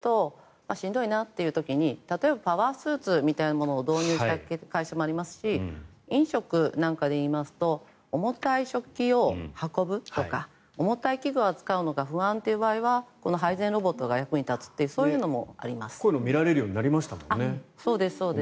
まさにどうしても体力が減ってきたりするとしんどいなという時に、例えばパワースーツのようなものを導入した会社もありますし飲食なんかでいいますと重たい食器を運ぶとか重たい器具を扱うのが不安という場合は配膳ロボットが役に立つというこういうの見られるようになりましたもんね。